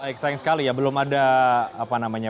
baik sayang sekali ya belum ada apa namanya